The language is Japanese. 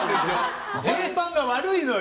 順番が悪いのよ。